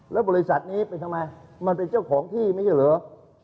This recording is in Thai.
แล้วบริษัทนี้เป็นทำไมมันเป็นเจ้าของที่ไม่ใช่เหรอ